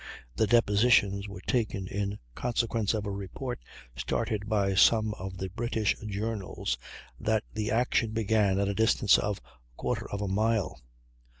The depositions were taken in consequence of a report started by some of the British journals that the action began at a distance of 1/4 of a mile.